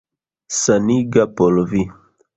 Saniga por vi.